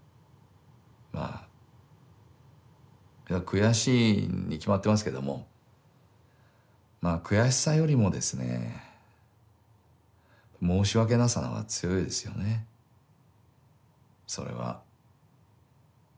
まあいや悔しいに決まってますけども悔しさよりもですね申し訳なさの方が強いですよねそれは。